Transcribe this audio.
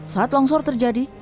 saat longsor terjadi